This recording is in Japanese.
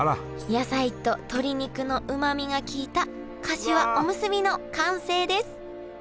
野菜と鶏肉のうまみが効いたかしわおむすびの完成です